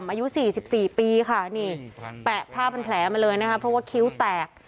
อายุ๔๔ปีค่ะนี่แปะผ้าเป็นแผลมาเลยนะคะเพราะว่าคิ้วแตก